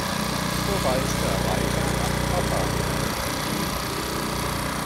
So reiste er weiter nach Kaffa auf der Krim.